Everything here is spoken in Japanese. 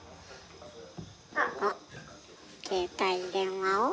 あっ携帯電話を。